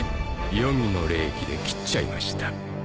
黄泉の冷気で斬っちゃいました。